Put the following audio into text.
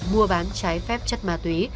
mua bán trái phép chất ma túy